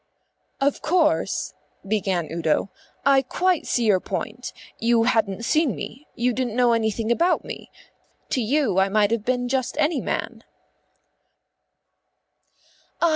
"Of course," began Udo, "I quite see your point. You hadn't seen me; you didn't know anything about me; to you I might have been just any man."